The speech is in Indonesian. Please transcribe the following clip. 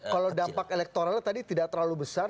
kalau dampak elektoralnya tadi tidak terlalu besar